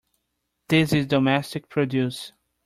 This is domestic produce.